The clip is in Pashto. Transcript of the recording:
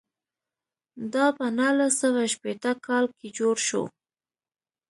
دا په نولس سوه شپېته کال کې جوړ شو.